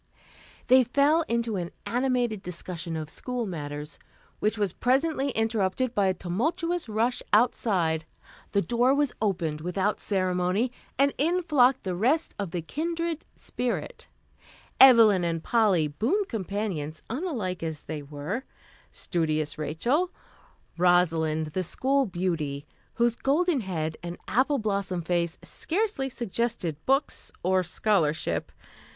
They fell into an animated discussion of school matters, which was presently interrupted by a tumultuous rush outside, the door was opened without ceremony, and in flocked the rest of the "Kindred Spirit," Evelyn and Polly, boon companions, unlike as they were; studious Rachel; Rosalind, the school beauty, whose golden head and apple blossom face scarcely suggested books or scholarship.